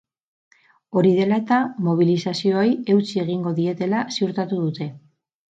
Hori dela eta, mobilizazioei eutsi egingo dietela ziurtatu dute.